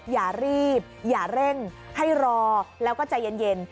อย่ารีบอย่าเร่งให้รอแล้วก็ใจเย็น